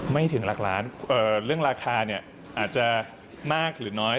ไม่ถึงหลักล้านเรื่องราคาเนี่ยอาจจะมากหรือน้อย